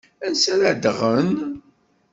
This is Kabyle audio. Ansa ara ddɣen?